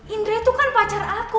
indra itu kan pacar aku